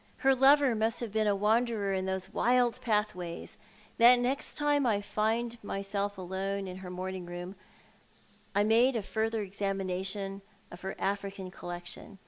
Her lover must have been a wanderer in those wild pathways. The next time I found myself alone in her morning room I made a further examination of her African collection.